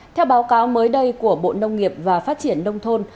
theo báo cáo mới đây của bộ nông nghiệp và phát triển nông thôn